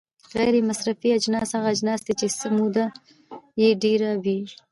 غیر مصرفي اجناس هغه اجناس دي چې موده یې ډیره وي.